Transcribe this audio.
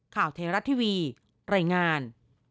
ข่าวเทราทร์ทีวีไร่งาน